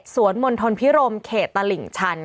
มณฑลพิรมเขตตลิ่งชัน